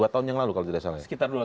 dua tahun yang lalu kalau tidak salah